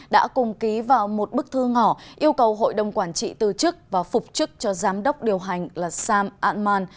đã cùng ký vào một bức thư ngỏ yêu cầu hội đồng quản trị từ chức và phục chức cho giám đốc điều hành là sam al man